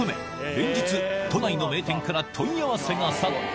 連日都内の名店から問い合わせが殺到